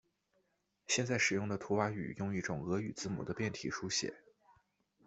现在使用的图瓦语用一种俄语字母的变体书写。